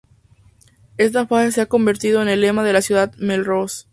Esta frase se ha convertido en el lema de la ciudad de Melrose.